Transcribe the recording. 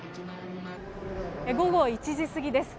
午後１時過ぎです。